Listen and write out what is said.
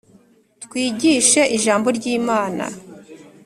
Twigishe ijambo ry imana